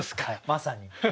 まさに。